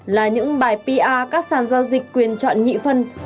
là những bài pr các sàn giao dịch quyền chọn nhị phân